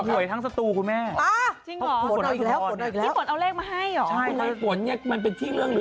เชิญค่ะโปรดยูเซอร์โปรโมทที่ตีเป็นพิเศษ